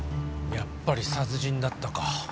やっぱり殺人だったか。